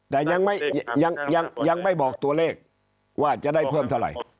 แต่ยังไม่บอกตัวเลขว่าจะได้เพิ่มเท่าไหร่